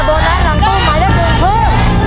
โบนัสหลังตู้ใหม่ได้เป็น